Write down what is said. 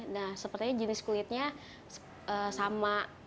nah sepertinya jenis kulitnya sama